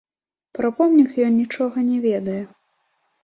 Пра помнік ён нічога не ведае.